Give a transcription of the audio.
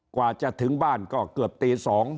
กว่าจะถึงบ้านก็เกือบตี๒